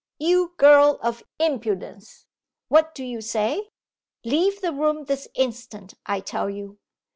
'You girl of impudence what do you say? Leave the room this instant, I tell you.